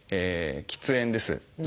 喫煙です。